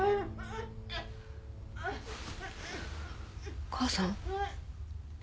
お義母さん？